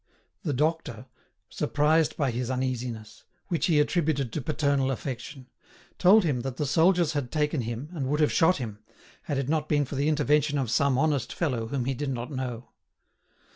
The doctor, surprised by his uneasiness, which he attributed to paternal affection, told him that the soldiers had taken him and would have shot him, had it not been for the intervention of some honest fellow whom he did not know.